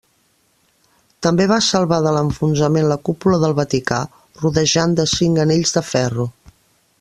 També va salvar de l'enfonsament la cúpula del Vaticà, rodejant de cinc anells de ferro.